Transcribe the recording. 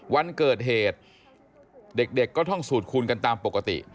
วันเกิดเหตุเด็กก็ท่องสูดคูณกันตามปกติ